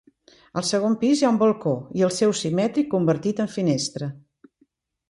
Al segon pis hi ha un balcó i el seu simètric convertit en finestra.